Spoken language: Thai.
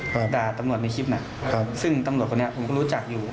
ครับด่าตำรวจในคลิปน่ะซึ่งตำรวจคนนี้ผมรู้จักอยู่